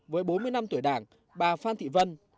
với bốn mươi năm tuổi đảng bà phan thị vân